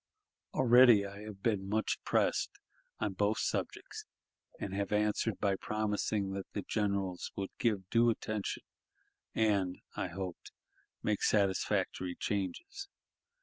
Already I have been much pressed on both subjects, and have answered by promising that the generals would give due attention, and, I hoped, make satisfactory changes.